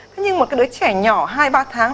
thế nhưng một cái đứa trẻ nhỏ hai ba tháng